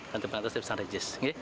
lantai paling atas di lantai st regis